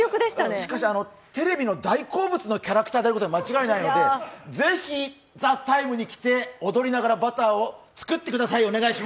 しかしテレビの大好物のキャラクターであることに間違いないので、ぜひ「ＴＨＥＴＩＭＥ，」に来て、踊りながらバターを作ってください。